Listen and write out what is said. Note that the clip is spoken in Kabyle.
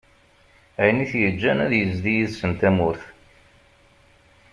Ayen i t-yeğğan ad yezdi yid-sen tamurt.